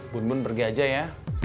bun bun pergi aja ya